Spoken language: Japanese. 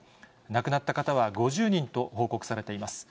亡くなった方は５０人と報告されています。